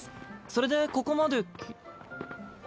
それでここまで来。